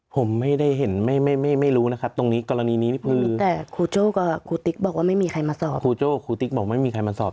ผมไม่ได้เห็นไม่ไม่ไม่ไม่รู้นะครับตรงนี้กรณีนี้นี่คือแต่ครูโจ้กับครูติ๊กบอกว่าไม่มีใครมาสอบ